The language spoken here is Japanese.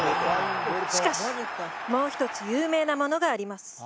しかしもう一つ有名なものがあります